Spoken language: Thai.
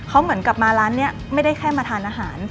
เขาเหมือนกลับมาร้านนี้ไม่ได้แค่มาทานอาหาร